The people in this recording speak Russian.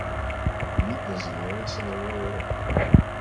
Видно — занимается новая эра!